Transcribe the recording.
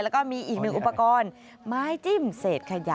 แล้วก็มีอีกหนึ่งอุปกรณ์ไม้จิ้มเศษขยะ